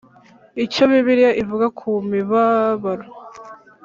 Icyo Bibiliya ivuga ku mibabaro